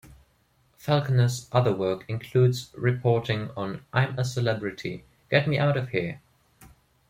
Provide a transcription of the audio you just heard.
Falconer's other work includes reporting on I'm a Celebrity... Get Me Out of Here!